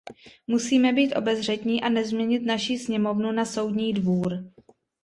Musíme být obezřetní a nezměnit naši sněmovnu na soudní dvůr.